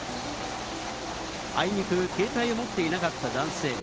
あいにく携帯を持っていなかった男性。